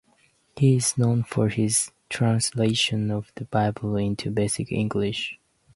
He is known for his translation of the Bible into Basic English.